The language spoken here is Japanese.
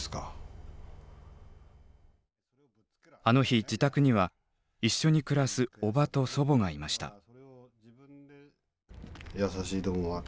あの日自宅には一緒に暮らすおばと祖母がいました。